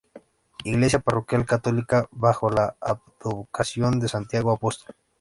Iglesia parroquial católica bajo la advocación de Santiago Apóstol.